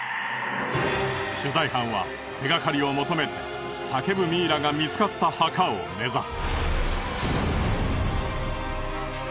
取材班は手がかりを求めて叫ぶミイラが見つかった墓を目指す。